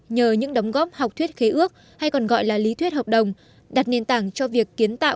nhờ những đóng góp học thuyết kế ước hay còn gọi là lý thuyết hợp đồng đặt nền tảng cho việc kiến tạo